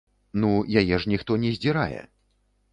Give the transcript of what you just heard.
Ну яе ж ніхто не здзірае.